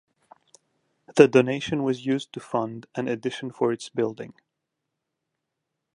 The donation was used to fund an addition for its building.